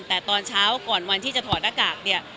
แต่ตอนเช้าก่อนวันที่จะถอดหน้ากากเนี่ย